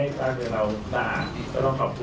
ผู้คนสำคัญที่ช่วยให้พระเจ้าเราต่าง